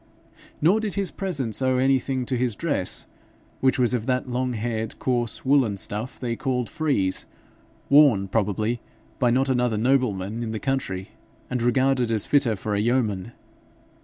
Nor did his presence owe anything to his dress, which was of that long haired coarse woollen stuff they called frieze, worn, probably, by not another nobleman in the country, and regarded as fitter for a yeoman.